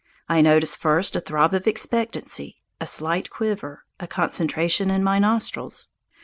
I notice first a throb of expectancy, a slight quiver, a concentration in my nostrils.